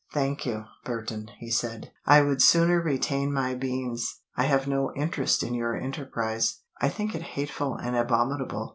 "Thank you, Burton," he said, "I would sooner retain my beans. I have no interest in your enterprise. I think it hateful and abominable.